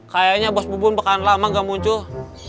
kayaknya bos bubun bakalan lama gak muncul